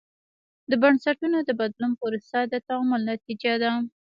د بنسټونو د بدلون پروسه د تعامل نتیجه ده.